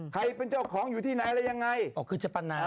ใครเป็นเจ้าของอยู่ที่ไหนอะไรยังไงอ๋อคือจะปัญหา